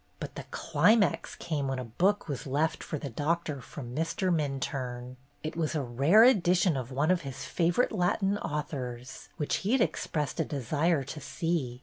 But the climax came when a book was left for the Doctor from Mr. Minturne. It was a rare edition of one of his favorite Latin authors, which he had expressed a desire to see.